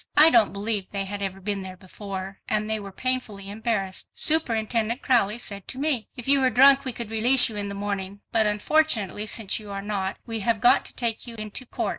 I don't believe they had ever been there before, and they were painfully embarrassed. Superintendent Crowley said to me, "If you were drunk we could release you in the morning, but unfortunately since you are not we have got to take you into court."